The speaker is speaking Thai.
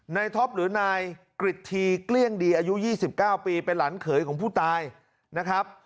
ท็อปหรือนายกริตทีเกลี้ยงดีอายุ๒๙ปีเป็นหลานเขยของผู้ตายนะครับ